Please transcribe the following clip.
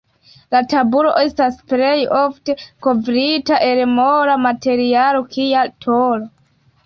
La tabulo estas plej ofte kovrita el mola materialo kia tolo.